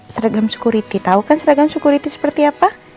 seragam sukuriti tahu kan seragam sukuriti seperti apa